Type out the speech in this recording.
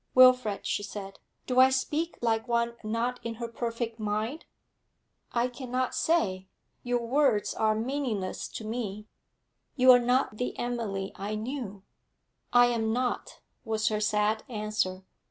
'Wilfrid,' she said, 'do I speak like one not in her perfect mind?' 'I cannot say. Your words are meaningless to me. You are not the Emily I knew.' 'I am not,' was her sad answer.